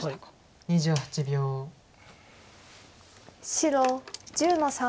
白１０の三。